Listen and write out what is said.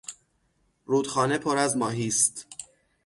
رودخانه پر از ماهی است.